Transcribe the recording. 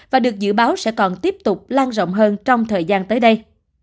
và được dự báo sẽ còn tiếp tục lan rộng hơn trong thời gian tới đây